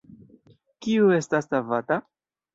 Kiu estas savata?